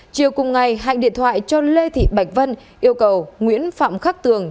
chiều cùng ngày hạnh điện thoại cho lê thị bạch vân yêu cầu nguyễn phạm khắc tường